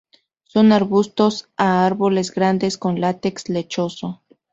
Son arbustos a árboles grandes con látex lechoso.